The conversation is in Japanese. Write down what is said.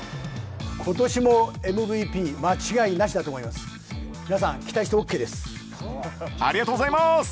今年もＭＶＰ間違いなしだと思います。